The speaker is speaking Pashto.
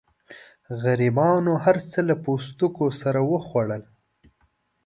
غریبانو هرڅه له پوستکو سره وخوړل.